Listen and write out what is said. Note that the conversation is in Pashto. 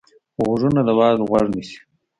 غوږونه د وعظ غوږ نیسي